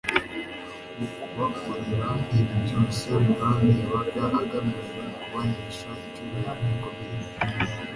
mu kubakorera ibi byose, umwami yabaga agamije kubahesha icyubahiro gikomeye